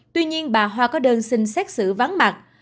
tuy nhiên bà hoa có đơn xin xét xử vắng mặt